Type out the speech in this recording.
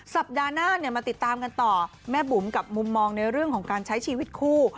สัปดาห์หน้ามาติดตามกันต่อแม่บุ๋มกับมุมมองในเรื่องของการใช้ชีวิตคู่